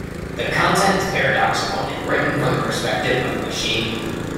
The content is paradoxical and written from the perspective of the machine.